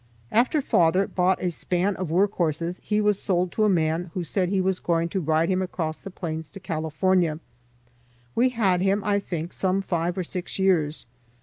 After father bought a span of work horses he was sold to a man who said he was going to ride him across the plains to California. We had him, I think, some five or six years.